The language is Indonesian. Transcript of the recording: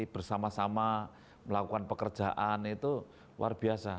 bersama sama melakukan pekerjaan itu luar biasa